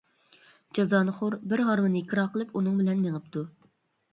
جازانىخور بىر ھارۋىنى كىرا قىلىپ ئۇنىڭ بىلەن مېڭىپتۇ.